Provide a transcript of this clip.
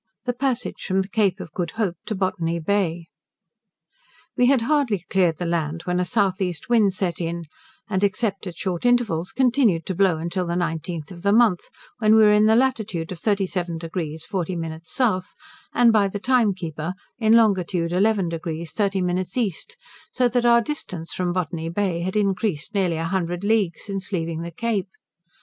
The Passage from the Cape of Good Hope to Botany Bay. We had hardly cleared the land when a south east wind set in, and, except at short intervals, continued to blow until the 19th of the month; when we were in the latitude of 37 deg 40 min south, and by the time keeper, in longitude 11 deg 30 min east, so that our distance from Botany Bay had increased nearly an hundred leagues since leaving the Cape.